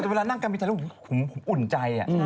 เวลานั่งการบินไทยแล้วผมอุ่นใจ